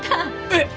えっ！？